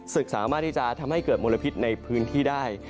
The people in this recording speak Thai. สามารถที่จะทำให้เกิดมลพิษในพื้นที่ได้